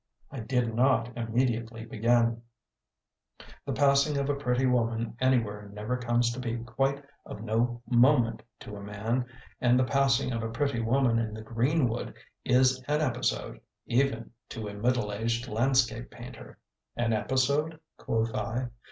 I did not immediately begin. The passing of a pretty woman anywhere never comes to be quite of no moment to a man, and the passing of a pretty woman in the greenwood is an episode even to a middle aged landscape painter. "An episode?" quoth I.